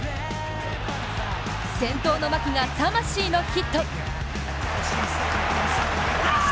先頭の牧が魂のヒット。